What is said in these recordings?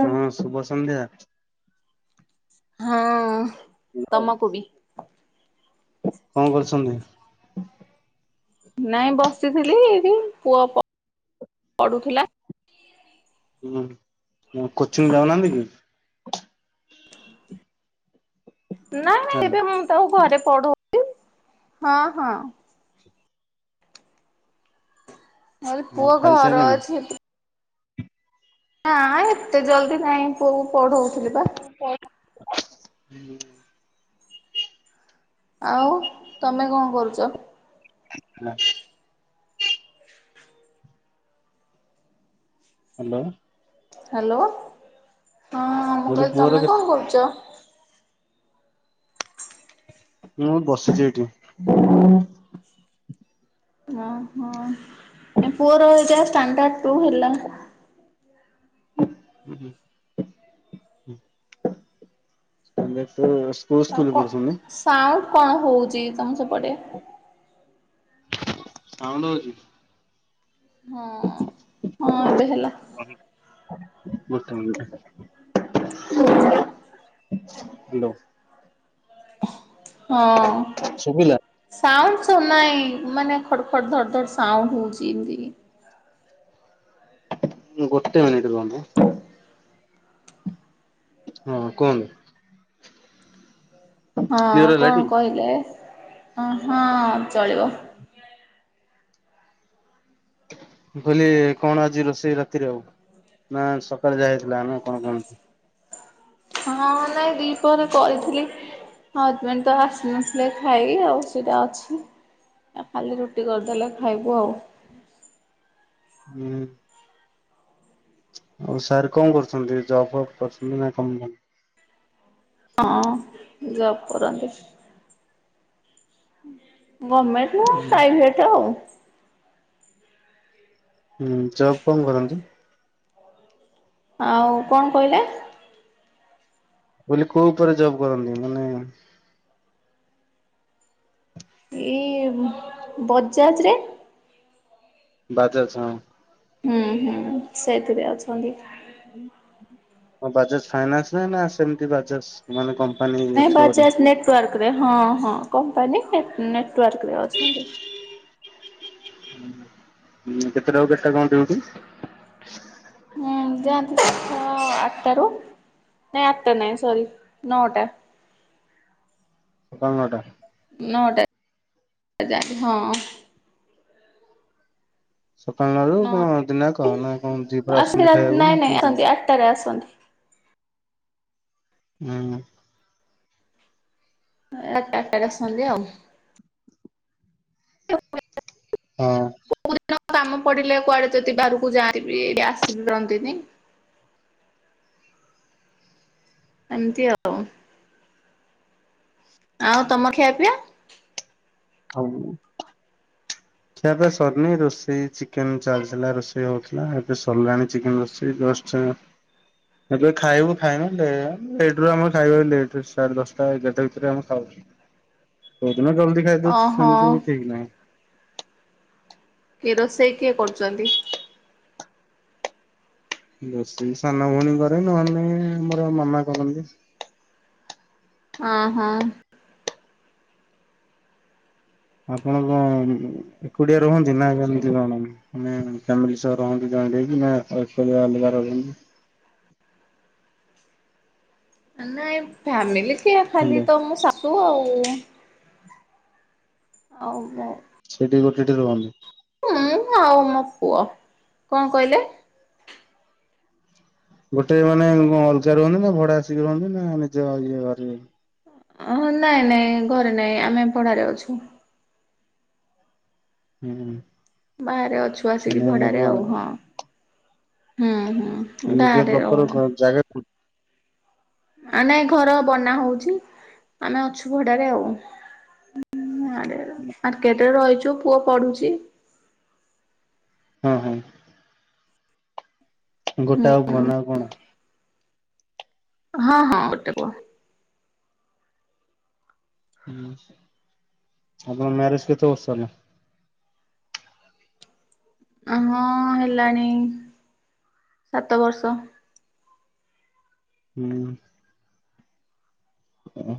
ହଁ ଶୁଭ ସନ୍ଧ୍ୟା। ହଁ। ତମକୁ ବି କଣ କରୁଚନ୍ତି? ନାଇଁ ବସିଥିଲି ଏଠି ପୁଅ ପଢୁଥିଲା। ହୁଁ କୋଚିଂ ଯାଉନାହାନ୍ତି କି? ନାଇ ନାଇଁ ହ୍ୟାଲୋ ଏବେ ମୁଁ ତାକୁ ଘରେ ପଢଉଚି ହଁ ହଁ। [unintelligible] ଆଉ ପୁଅ ଘର ଖାଇସାରିଲେଣି? ଅଛି। ନା ଏତେ ଜଲ୍ଦି ନାଇଁ ପୁଅକୁ ପଢଉଥିଲି ବା। [unintelligible] ଆଉ ତମେ କଣ କରୁଚ? [unintelligible] ହ୍ୟାଲୋ। ହ୍ୟାଲୋ ହଁ ମୁଁ କହିଲି ପୁଅର ତମେ କେତେ କଣ କରୁଚ? ମୁଁ ମୁ ବସିଚି ଏଇଠି। ଓ ହଁ ପୁଅର ଏଟ ଷ୍ଟାଣ୍ଡାର୍ଡ ଟୁ ହେଲା। [unintelligible] ଆଉ କଣ ପଢୁଛନ୍ତି? ସାଉଣ୍ଡ କଣ ହଉଚି ତମ ସେପଟେ? ସାଉଣ୍ଡ ହୋଉଚି? ହଁ ହଁ ଏବେ ହେଲା। ହ। [unintelligible] ହ୍ୟାଲୋ। ହଁ। ଶୁବିଲା? ସାଉଣ୍ଡସ୍ ନାଇଁ ମାନେ ଖଡ୍ ଖଡ୍ ଧଡ୍ ଧଡ୍ ସାଉଣ୍ଡ ହଉଚି ଏମତି। ଗୋଟେ ମନିଟ୍ ରୁହନ୍ତୁ। ହଁ କୁହନ୍ତୁ। କ୍ଲିୟର ହଁ ହେଲା କଣ ଟି? କହିଲେ ହଁ ଚଳିବ। ମୁଁ କହିଲି କଣ ଆଜି ରୋଷେଇ ରାତିରେ ଆଉ? ନା ସକାଳେ ଯାହା ହେଇଥିଲା କଣ କହନ୍ତି। ହଁ ନାଇଁ ଦି ପହରେ କରିଥିଲି। ହଜବେଣ୍ଡ୍ ତ ଆସିନଥିଲେ ଖାଇବି ଆଉ ସେଟା ଅଛି। ଆଉ ଖାଲି ରୁଟି କରିଦେଲେ ଖାଇବୁ ଆଉ। ହୁଁ। ଆଉ ସାର୍ କଣ କରୁଚନ୍ତି? ଜବ୍ ଫବ୍ କରୁଛନ୍ତି ନା କଣ? ହଁ ଜବ୍ କରନ୍ତି। ଗମେଣ୍ଟ ନା ହୁଁ ପ୍ରାଇଭେଟ୍ ଆଉ। ହୁଁ ଜବ୍ କଣ କରନ୍ତି? ଆଉ କଣ କହିଲେ? ମୁଁ କହିଲି କୋଉ ଉପରେ ଜବ୍ କରନ୍ତି? ମାନେ। ଏଇ ବଜାଜରେ। ବାଜାଜ୍ ହଁ। ହୁଁ ହୁଁ ସେଥିରେ ଅଛନ୍ତି। ବାଜାଜ ଫାଇନାନ୍ସ୍ ନା ନା ସେମତି ବାଜାଜ ମାନେ କମ। ନାଇଁ ବାଜାଜ ନେଟ୍ୱାର୍କରେ ହଁ ହଁ କମ୍ପାନୀ ନେଟ୍ୱାର୍କରେ ଅଛନ୍ତି। ହଁ କେତେଟାରୁ କେତେଟା କଣ ଡ୍ୟୁଟି? ହୁଁ ଯାଆନ୍ତି ଆଟାରୁ ନାଇଁ ଆଟା ନାଇଁ ସରି ନଅଟା। ସକାଳ ନଅଟା। ନଅଟାରେ ଯାଆନ୍ତି। ହ। ସକାଳ ନଅରୁ ନଅ କଣ ଦିିନ ଯାକ କଣ ନଅ କଣ ଦି ପହର ଆସନ୍ତି ରାତି ଖାଇବାକୁ ନାଇଁ ନା ନାଇଁ କେମିତି? ଆସନ୍ତି ଆଠଟାରେ ଆସନ୍ତି। ହୁଁ। ରାତି ଆଠଟାରେ ଆସନ୍ତି ଆଉ। ହଁ। କୋଉ ଦିନ କାମ ପଡିଲେ କୁଆଡେ ଯଦି ବାହାରକୁ ଯାଆନ୍ତି ବି ଏଠି ଆସି ବି ପାରନ୍ତିନି। ଏମିତି ଆଉ। ଆଉ ତମ ଖିଆ ପିଆ? [unintelligible] ଖିଆପିଆ ସରିନି। ରୋଷେଇ ଚିକେନ ଚାଲିଥିଲା ରୋଷେଇ ହଉଥିଲା ଏବେ ସିରିଲାଣି ଚିକେନ ରୋଷେଇ ଜଷ୍ଟ। [unintelligible] ଏବେ ଖାଇବୁ ଖାଇନୁ ଲେଟ୍ରେ ଆମର ଖାଇବା ଲେଟ୍ ରେ ସାଢେ ଦଶଟା ଏଗାରଟା ଭିତରେ ଆମେ ଖାଉ। [inaudible] କୋଉଦିନ ଜଲ୍ଦି ଖାଇଦଉଚୁ ଓହୋ ସେମିତି କିଛି ଠିକ୍ ନାହିଁ। କିଏ ରୋଷେଇ କିଏ କରୁଚନ୍ତି? ରୋଷେଇ ସାନ ଭଉଣୀ କରେ ନହେଲେ ଆମର ମାମା କରନ୍ତି। ଓହୋ। ଆପଣ କଣ ଏକୁଟିଆ ରୁହନ୍ତି ନା କେମିତି କଣ? ମାନେ ଫ୍ୟାମିଲି ସହ ରହନ୍ତି ଜଏଣ୍ଟ ହେଇକି ନା ଏକୁଟିଆ ଅଲଗା ରହନ୍ତି। ମାନେ ଫ୍ୟାମିଲି କିଏ ଖାଲି ହ୍ୟାଲୋ ତ ମୋ ଶାଶୁ ଆଉ। ଆଉ ମୋ ସେଇଠି ଗୋଟେଠି ରୁହନ୍ତିି। ମୁଁ ଆଉ ମୋ ପୁଅ। କଣ କହିଲେ? ଗୋଟେ ମାନେ ଅଲଗା ରୁହନ୍ତି ନା ଭଡା ଆସିକି ରୁହନ୍ତି ନା ନିଜ ଇଏ ଘରେ? ଅ ନାଇଁ ନାଇଁ ଘରେ ନାଇଁ ଆମେ ପଢାରେ ଅଛୁ। ହୁଁ। ବାହାରେ ଅଛୁ ଆସିକି ଭଡାରେ ମାନେ ଆଉ ହଁ। ହୁଁ ହୁଁ। ନିଜ ଗାଁରେ ପ୍ରକାର ରହୁନୁ। ଜାଗାକୁ ଆ ନାଇଁ ଘର ବନା ହଉଛି ଆମେ ଅଛୁ ଭଡାରେ ଆଉ। [unintelligible] ହୁଁ। ମାର୍କେଟରେ ରହିଚୁ ପୁଅ ପଢୁଚି। ହୁଁ ହଁ। ହୁଁ ଗୋଟାକ ଆଉ ପୁଅ ନା ଆଉ କଣ? ହଁ ହଁ ଗୋଟେ ପୁଅ। ହୁଁ ଆପଣଙ୍କ ମ୍ୟାରେେଜ କେତେ ବର୍ଷ ହେଲା? ହଁ ହେଲାଣି ସାତ ବର୍ଷ। ହୁଁ। ଓହୋ।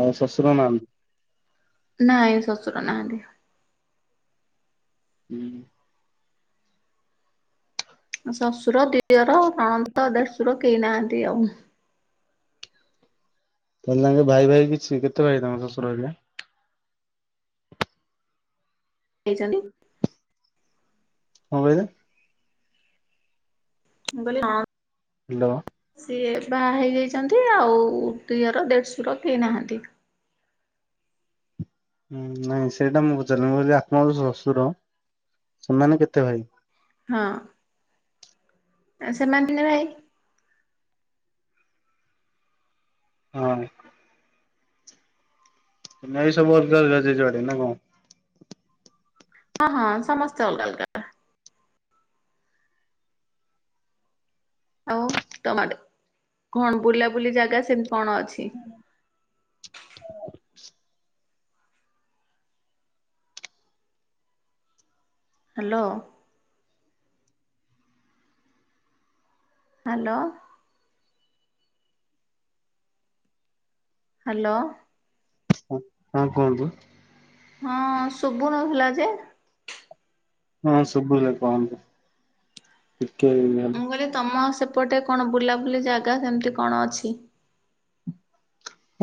ଆଉ ଶ୍ୱଶୁର ନାହାନ୍ତି? ନାଇଁ ଶଶୁର ନାହାନ୍ତି। ହୁଁ। ମୋ ଶଶୁର, ଦିଅର, ନଣନ୍ଦ, ଦେଶୁର କେହି ନାହାନ୍ତି ଆଉ। ତାହେଲେ ତାଙ୍କେ ଭାଇ ଭାଇ କିଛି କେତେ ଭାଇ ତମ ଶଶୁର ହେରିକା? ହେଇଛନ୍ତି କଣ କହିଲେ? ମୁଁ କହିଲି ଆଁ ହ୍ୟାଲୋ। ସିଏ ବାହା ହେଇଯାଇଛନ୍ତି ଆଉ ଦିଅର ଦେଢଶୁର କେହି ନାହାନ୍ତି। ହୁଁ ନାଇଁ ସେଇଟା ମୁଁ ପଚାରୁନି ମୁଁ କହିଲି ଆପଣଙ୍କ ଯୋଉ ଶ୍ୱଶୁର ସେମାନେ କେତେ ଭାଇ? ହଁ ସେମାନେ ତିନି ଭାଇ। ହଁ। ତମେ [unintelligible] ଯିଏ ଯୁଆଡେ ନା କଣ? ହଁ ହଁ ସମସ୍ତେ ଅଲଗା ଅଲଗା। ଆଉ ତମ ଆଡ଼େ କଣ ବୁଲାବୁଲି ଜାଗା ସେମିତି କଣ ଅଛି? [inaudible] ହ୍ୟାଲୋ। ହ୍ୟାଲୋ। ହ୍ୟାଲୋ। ହଁ କୁହନ୍ତୁ? ହଁ ଶୁବୁନଥିଲା ଯେ? ହଁ ସୁବିଲା କହନ୍ତୁ ଟିକେ ୟିଏ ମୁଁ ହେଲା କହିଲି ତମ ସେପଟେ କଣ ବୁଲାବୁଲି ଜାଗା ସେମିତି କଣ ଅଛି?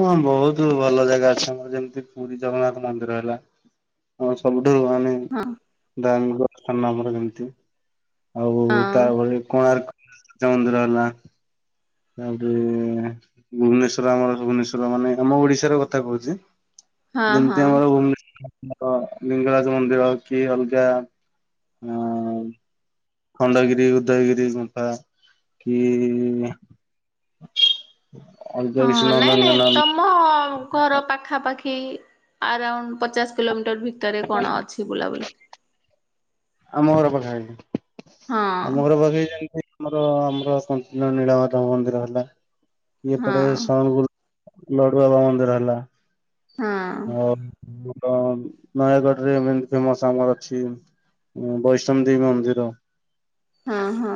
ହଁ ବହୁତ ଭଲ ଜାଗା ଅଛି ଆମର ଯେମିତି ପୁରୀ ଜଗନ୍ନାଥ ମନ୍ଦିର ହେଲା ହଁ ସବୁଠୁ ମାନେ ହଁ ଦନିକ ସ୍ଥାନ ଆମର ଯେମିତି ଆଉ ହଁ ତାପରେ କୋଣାର୍କ ସମୁଦ୍ର ହେଲା ତାପରେ ଭୁବନେଶ୍ଵର ଆମର ଭୁବନେଶ୍ଵର ମାନେ ଆମ ଓଡିଶାର କଥା କହୁଚି ହଁ ଯେମିତି ହଁ। ଆମର ଭୁବନେ ତ ଲିଙ୍ଗରାଜ ମନ୍ଦିର କି ଅଲଗା ଅଁ ଖଣ୍ଡଗିରି ଉଦୟଗିରି ଗୁମ୍ଫା କି ଇ ଅଲଗା କିଛି ନନ୍ଦନକାନନ ମ ଅ ଘର ପାଖାପାଖି ଆରାଉଣ୍ଡ ପଚାଶ କିଲୋମିଟର ଭି ଭିତରେ କଣ ଅଛି ବୁଲାବୁଲି ଆମ ଘର ପାଖାପାଖି ହଁ। ଆମ ଘର ପାଖାପାଖି ଯେମିତି ଆମର ଆମର କଞ୍ଚିନ ନୀଳମାଧବ ମନ୍ଦିର ହେଲା ହଁ ଏପଟେ ସଗରୁ ଲଡ଼ୁ ବାବା ମନ୍ଦିର ହେଲା ହଁ ଆଉ ନୟାଗଡ଼ରେ ଏମିତି ଫେମସ୍ ଆମର ଅଛି ବୈଷ୍ଣବ ଦେବୀ ମନ୍ଦିର ହଁ ହଁ।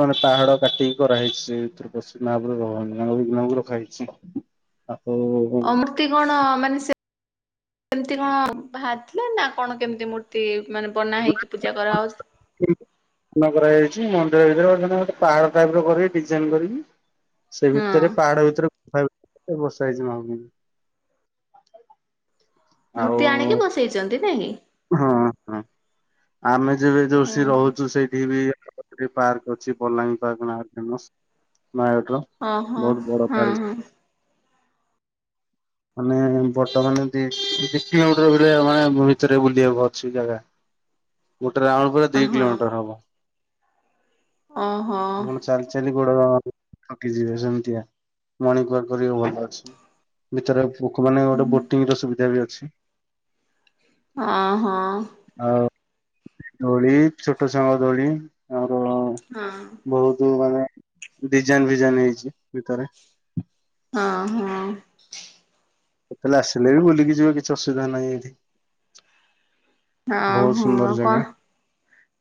ମାନେ ପାହାଡ଼ କାଟିକି କରାହେଇଛି ସେଇଠି ପଶାବରେ ବୈଷ୍ଣବି ମାକୁ ରଖା ହେଇଚି ଆକୁ ଅମୃର୍ତ୍ତି କଣ ମାନେ ସେ କେମିତି କଣ ବାହାରି ଥିଲା ନା କଣ କେମିତି ମୂର୍ତ୍ତି ମାନେ ବନା ହେଇକି ପୂଜା କରାହେଉଚି? ଅଣା କରାଯାଇଛି ମନ୍ଦିର ଭିତରେ ଗୋଟେ ପାହାଡ଼ ଟାଇପର କରିକି ଡିଜାଇନ୍ କରିକି ସେ ହଁ ଭିତରେ ପାହାଡ଼ ଭିତରେ ବସା ହେଇଚି ମାଁଙ୍କୁ। ଆଉ ମୂର୍ତ୍ତି ଆଣିକି ବସେଇଚନ୍ତି ନାଇଁକି? ହଁ ହଁ ଆମେ ଯେବେ ଯୋଉ ହୁଁ ହୁଁ ସେରହୁଚୁ ସେଇଠିବି ଏ ପାର୍କ ଅଛି ବଲାଙ୍ଗୀର ପାର୍କ ନାଁ ଫେମସ୍ ନୟାଗଡ଼ର। ଓହୋ ବହୁତ ବଡ ହଁ ପାର୍କ ହଁ। ମାନେ ବର୍ତ୍ତମାନ ଦି ଦି କିଲୋମିଟର୍ ଭଲ ମାନେ ଭିତରେ ବୁଲିିବାକୁ ଅଛି ଜାଗା। [inaudible] ଗୋଟେ ରାଉଣ୍ଡ ପୁରା ଅ ଦି ହଁ କିଲୋମିଟର୍ ହବ ଓହୋ ଆପଣ ଚାଲି ଚାଲି ଚାଲି ଗୋଡ଼ ଥକି ଯିବେ ସେମିତିଆ ମଣିଙ୍ଗ ୱାର୍କ କରିବାକୁ ଭଲ ଅଛି। ଭିତରେ ଲୋକ ମାନ ଗୋଟେ ବୋଟିଂ ର ସୁବିଧାବି ଅଛି। ହଁ ହଁ। ଆଉ ଦୋଳି ଛୋଟ ଛୁଆଙ୍କ ଦୋଳି ଆର ହଁ। ବହୁତ୍ ମାନେ ଡିଜାଇନ୍ ଫିଜାଇନ୍ ହେଇଚି ଭିତରେ ହଁ ହଁ। କେତେବେଳେ ଆସିଲେବି ବୁଲିକି ଯିବେ କିଛି ଅସୁବିଧା ନାହିଁ ଏଠି। ହଁ ହୋ ଆଉ ସୁନ୍ଦର କଁ ଜାଗା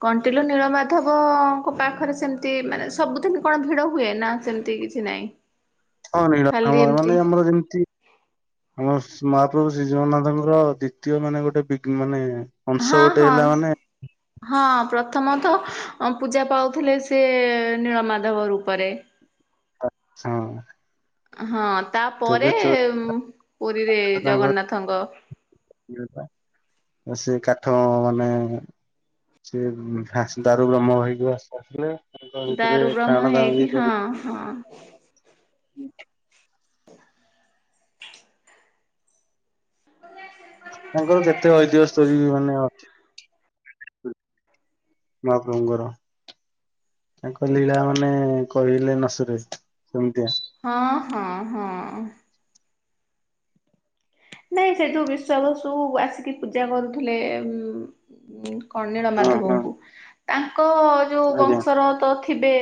କଣ୍ଟିଲୁ ନୀଳମାଧବଙ୍କ ପାଖରେ ସେମିତି ମାନେ ସବୁଦିନ କଣ ଭିଡ଼ ହୁଏ ନା ସେମିତି କିଛି ନାହିଁ? [inaudible] ହଁ ନୀଳ ଖାଲି ଏମିତି ମାନେ ଆମର ଯେମିତି ଆମ ମହାପ୍ରଭୁ ଶ୍ରୀ ଜଗନ୍ନାଥଙ୍କର ଦ୍ଵିତୀୟ ମାନେ ଗୋଟେ ବିଗ୍ ମାନେ ଅଂଶ ହଁ ଗୋଟେ ହଁ। ହେଲା ମାନେ ହଁ ପ୍ରଥମେତ ପୂଜା ପାଉଥିଲେ ସେ ନୀଳମାଧବ ରୂପରେ ହଁ। ହଁ ତେବେ ତାପରେ ଚୋର ପୁରୀରେ ତାଙ୍କର ଜଗନ୍ନାଥଙ୍କ ସେ କାଠ ମାନେ ସେ ଦାରୁ ବ୍ରହ୍ମ ହେଇକି ଭାସିକି ଆସି ଆସିଲେ ତାଙ୍କ ଭିତରେ ଦାରୁ ବ୍ରହ୍ମ ଟାଣ ଦାଣ ହେଇକି ହଁ ହଁ। ହୁଁ। ତାଙ୍କର କେତେ ଐତିହ୍ୟ ଷ୍ଟୋରି ମାନେ ଅ ମହାପ୍ରଭୁଙ୍କର। ତାଙ୍କ ଲୀଳା ମାନେ କହିଲେ ନସରେ ସେମିତିଆ। ହଁ ହଁ ହଁ। ନାଇଁ ସେଯୋଉ ବିଶ୍ୱା ବସୁ ଆସିକି ପୂଜା କରୁଥିଲେ ଉ କଣ ନୀଳ ହଁ ହଁ ମାଧବଙ୍କୁ ତାଙ୍କର ଯୋଉ ଆଜ୍ଞା। ବଂଶରତ ଥିବେ?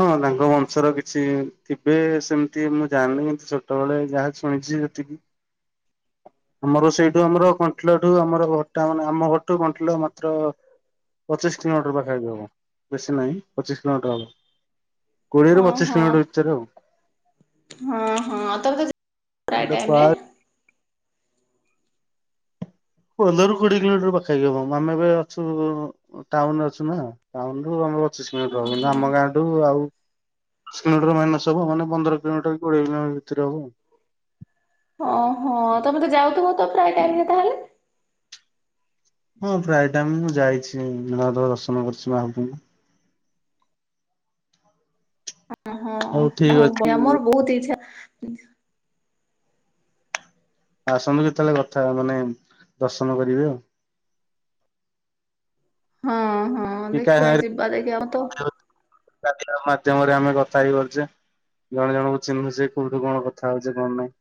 ହଁ ତାଙ୍କ ବଂଶର କିଛି ଥିବେ ସେମିତି ମୁଁ ଜାଣିନି କିନ୍ତୁ ଛୋଟବେଳେ ଯାହା ଶୁଣିଚି ସେତିକି ଆମର ସେଇଠୁ ଆମର କଣ୍ଠିଲଠୁ ଆମର ଘଟା ମାନେ ଆମ ଘରଠୁ କଣ୍ଠିଲ ମାତ୍ର ପଚିଶି କିଲୋମିଟର ପାଖାପାଖି ହବ ବେଶୀ ନାହିଁ ପଚିଶି କିଲୋମିଟର ହବ। କୋଡ଼ିଏରୁ ହଁ ପଚିଶି ହଁ କିଲୋମିଟର ଭିତରେ ଆଉ। ହଁ ହଁ ତମେ ତ ପ୍ରାୟ ଏଇଟା ଟାଇମ୍ ରେ ପାର୍କ ପନ୍ଦରରୁ କୋଡିଏ କିଲୋମିଟର ପାଖାପାଖି ହବ। ଆମେ ଏବେ ଅଛୁ ଓ ଟାଉନ୍ ରେ ଅଛୁ ନାଁ ଟାଉନ୍ ରୁ ଆମ ପଚିଶି ମିଟର ହଁ ହବ। କିନ୍ତୁ ହଁ ଆମ ଗାଁ ତୁ ଆଉ କିଲୋମିଟର ମାଇନସ ହବ ମାନେ ପନ୍ଦର କିଲୋମିଟର କି କୋଡ଼ିଏ କିଲୋମିଟର ଭିତରେ ହବ ଆଉ। ହଁ ହଁ ତମେ ତ ଯାଉଥୁବ ତ ପ୍ରାୟ ଟାଇମ୍ ରେ ତାହେଲେ? ହଁ ପ୍ରାୟ ଟାଇମ୍ ମୁଁ ଯାଇଛି ମହାଦବ ଦର୍ଶନ କରିଛି ମହାପ୍ରଭୁଙ୍କୁ। ହଉ ଠିକ ହୋଉ ଅଛି ଡ଼ାମର ବହୁତ ଇଚ୍ଛା। ଆସନ୍ତୁ କେତେଏଳେ କଥା ମନେ ଦର୍ଶନ କରିବେ ଆଉ। ହଁ ହଁ କି ଦେଖିବା ଯିବା ଦେଖିଆ ଅଁ ତୋ। ପ୍ରାଚୀନ ମାଧ୍ୟମରେ ଆମେ କଥା ହେଇପାରୁଛେ। ଜଣେ ଜଣଙ୍କୁ ଚିହ୍ନୁଛି କୋଉଠୁ କ ଣ କଥା ହଉଚେ କଣ ନାହିଁ।